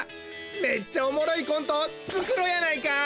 めっちゃおもろいコントをつくろうやないか！